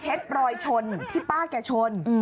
เช็ดรอยชนที่ป้าแกชน